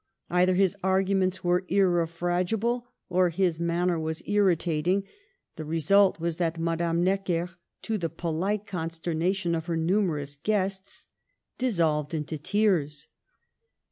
. Either his arguments were irrefragable, or his manner was irritating ; the result was that Madame Necker — to the polite consternation of her numerous guests— dissolved into tears.